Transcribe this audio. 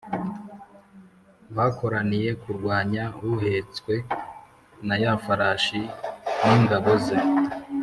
bakoraniye kurwanya Uhetswe na ya farashi n’ingabo ze.